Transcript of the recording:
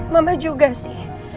mama juga sih